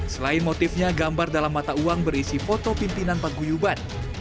selain motifnya gambar dalam mata uang berisi foto pimpinan paguyuban